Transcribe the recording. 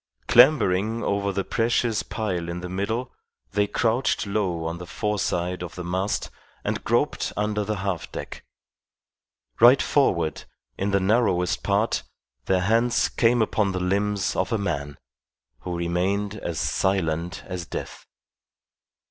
Clambering over the precious pile in the middle, they crouched low on the foreside of the mast and groped under the half deck. Right forward, in the narrowest part, their hands came upon the limbs of a man, who remained as silent as death.